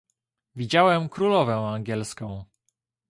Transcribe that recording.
"Widziałem królowę angielską."